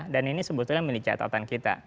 dan ini sebetulnya milik catatan kita